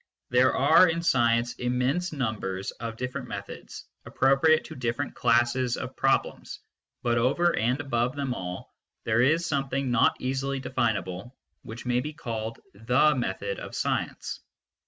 There are in science immense numbers of different methods, appropriate to different classes of problems ; but over and above them all, there is something not easily definable, which may be called the method of science.